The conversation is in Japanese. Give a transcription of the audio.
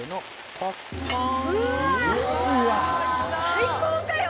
最高かよ！